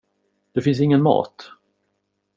Det finns ingen mat!